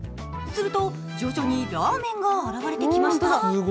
すると徐々にラーメンが現れてきました。